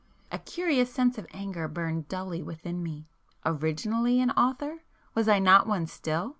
A curious sense of anger burned dully within me. 'Originally' an author? Was I not one still?